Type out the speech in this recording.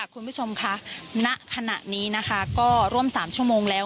คุณผู้ชมคะณขณะนี้นะคะก็ร่วม๓ชั่วโมงแล้ว